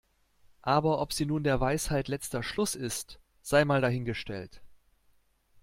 Aber ob sie nun der Weisheit letzter Schluss ist, sei mal dahingestellt.